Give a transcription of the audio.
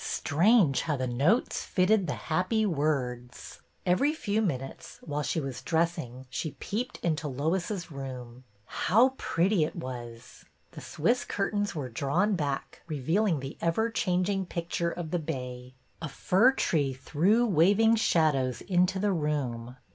Strange how the notes fitted the happy words ! Every few minutes, while she was dressing, she peeped into Lois's room. How pretty it was ! The Swiss curtains were drawn back, revealing the ever changing picture of the bay. A fir tree threw waving shadows into the room.